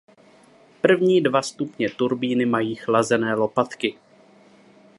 První dva stupně turbíny mají chlazené lopatky.